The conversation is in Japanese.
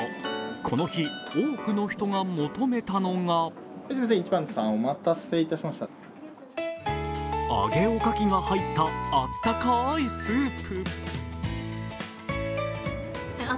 この日、多くの人が求めたのが揚げおかきが入った温かいスープ。